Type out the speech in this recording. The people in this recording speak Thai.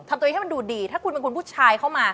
ตัวเองให้มันดูดีถ้าคุณเป็นคุณผู้ชายเข้ามา